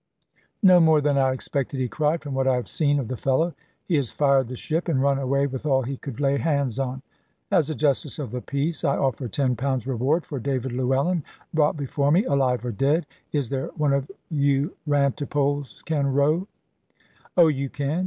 "No more than I expected," he cried, "from what I have seen of the fellow; he has fired the ship, and run away with all he could lay hands on. As a Justice of the Peace, I offer ten pounds reward for David Llewellyn, brought before me, alive or dead. Is there one of you rantipoles can row? Oh, you can.